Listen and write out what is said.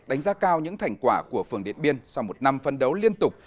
đánh giá cao những thành quả của phường điện biên sau một năm phân đấu liên tục